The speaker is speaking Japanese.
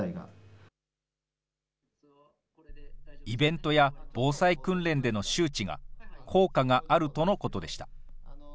イベントや防災訓練での周知が効果があるとのことでした。